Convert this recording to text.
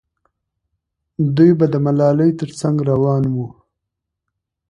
دوی به د ملالۍ تر څنګ روان وو.